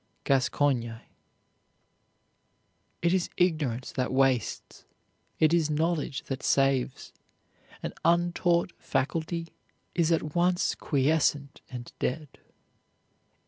GASCOIGNE. It is ignorance that wastes; it is knowledge that saves, an untaught faculty is at once quiescent and dead.